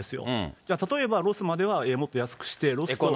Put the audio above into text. だから例えばロスまではもっと安くして、ロス。